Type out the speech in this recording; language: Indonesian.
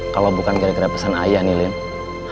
kalau bukan gara gara pesan ayah